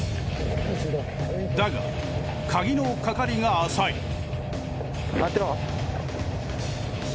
だがカギのかかりが浅い。